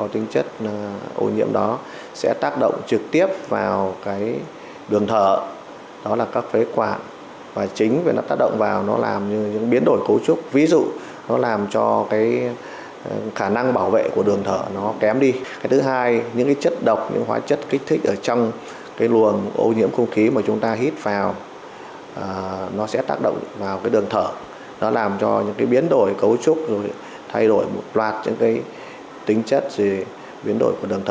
tình trạng viêm rác mạc đau mắt giảm thị lực sẽ tác động đến tai vòng họng đặc biệt là phổi